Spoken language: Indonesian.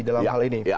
dalam hal ini